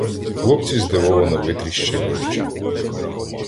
Хлопці здивовано витріщили очі.